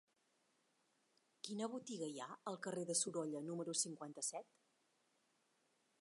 Quina botiga hi ha al carrer de Sorolla número cinquanta-set?